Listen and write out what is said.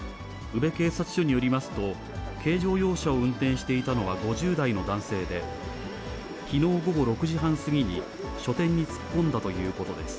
宇部警察署によりますと、軽乗用車を運転していたのは５０代の男性で、きのう午後６時半過ぎに、書店に突っ込んだということです。